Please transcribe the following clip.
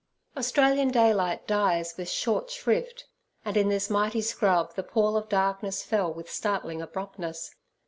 Australian daylight dies with short shrift, and in this mighty scrub the pall of darkness fell with startling abruptness.